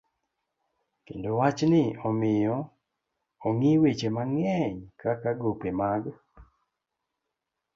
Kendo wachni omiyo ong'i weche mang'eny kaka gope mag